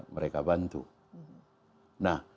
mereka bantu nah